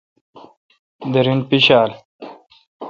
درین پیڄھال۔